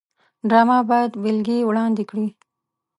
ډرامه باید بېلګې وړاندې کړي